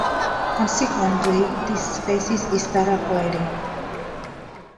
Consequently, this species is paraphyletic.